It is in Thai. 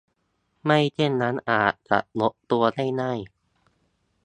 ไม่เช่นนั้นอาจจะหมดตัวได้ง่าย